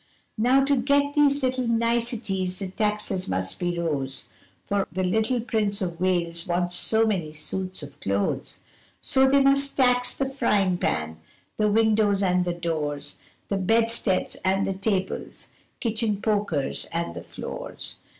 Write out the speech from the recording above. Now to get these little nicities the taxes must be rose, For the little Prince of Wales wants so many suits of clothes, So they must tax the frying pan, the windows and the doors, The bedsteads and the tables, kitchen pokers and the floors.